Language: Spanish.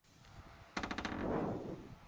El campo azul simboliza libertad y lealtad.